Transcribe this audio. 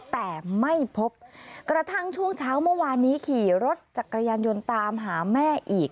แต่ไม่พบกระทั่งช่วงเช้าเมื่อวานนี้ขี่รถจักรยานยนต์ตามหาแม่อีก